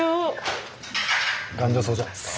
頑丈そうじゃないですか。